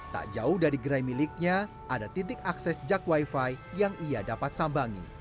tak jauh dari gerai miliknya ada titik akses jak wifi yang ia dapat sambangi